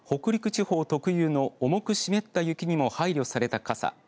地方特有の重く湿った雪にも配慮された傘。